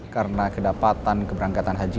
karena kedapatan keberangkatan haji